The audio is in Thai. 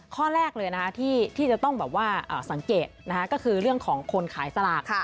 ข้อแรกที่จะต้องสังเกตก็คือเรื่องของคนขายสลาก